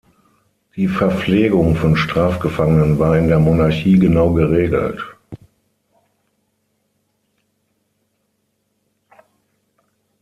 Die Verpflegung von Strafgefangenen war in der Monarchie genau geregelt.